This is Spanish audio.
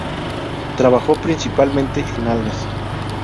Trabajó principalmente en algas.